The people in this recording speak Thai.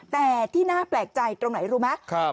แต่ที่น่าแปลกใจตรงไหนรู้ไหม